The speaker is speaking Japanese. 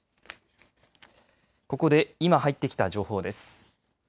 ここで今、入ってきた情報です。